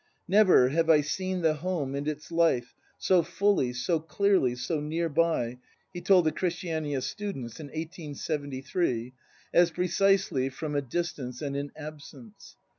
"Never have I seen the Home and its life so fully, so clearly, so near by," he told the Christiania students in^ 1873, "as precisely from a distance and in absence."